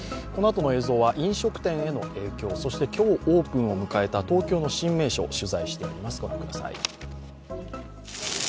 このあとの映像は飲食店への影響、そして今日オープンを迎えた東京の新名所、取材しています。